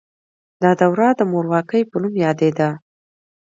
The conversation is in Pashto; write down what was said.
دا دوره د مورواکۍ په نوم یادیده.